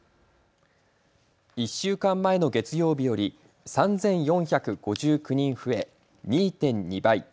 １週間前の月曜日より３４５９人増え２．２倍。